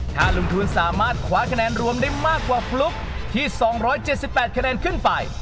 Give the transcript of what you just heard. ถ้าลุงทูลสามารถคว้าคะแนนรวมได้มากกว่าฟลุกที่๒๗๘คะแนนขึ้นไป